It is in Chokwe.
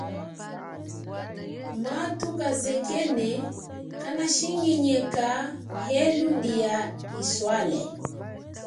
Mathu kazekene kanashinginyeka helu lia iswale.